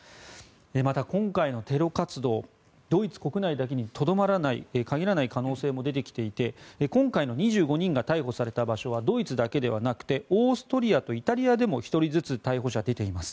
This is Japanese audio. また、今回のテロ活動ドイツ国内だけに限らない可能性もあるとして今回の２５人が逮捕された場所はドイツだけではなくてオーストリアやイタリアでも１人ずつ逮捕者が出ています。